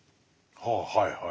ははいはい。